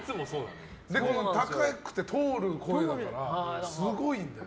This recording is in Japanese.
高くて通る声だからすごいんだよ。